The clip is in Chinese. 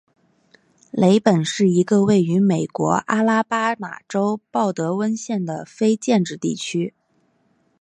雷本是一个位于美国阿拉巴马州鲍德温县的非建制地区。